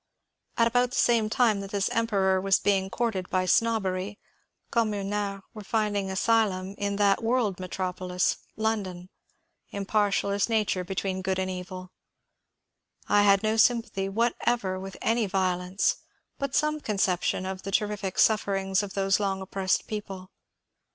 About the same time that this Emperor was being courted by snobbery, "communards" were finding asylum in that world metropolis, London, impartial as Nature between good and evil. I had no sympathy whatever with any vio lence, but some conception of the terrific sufferings of those long oppressed people.